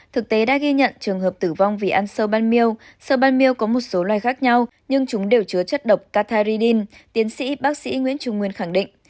thực tế đã ghi nhận trường hợp tử vong vì ăn sâu ban miêu sâu ban miêu có một số loài khác nhau nhưng chúng đều chứa chất độc catharidin tiến sĩ bác sĩ nguyễn trung nguyên khẳng định